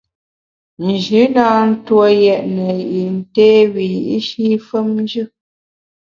Nji na ntue yètne yin té wiyi’shi femnjù.